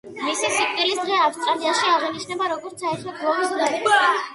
მისი სიკვდილის დღე ავსტრალიაში აღინიშნება როგორც საერთო გლოვის დღე.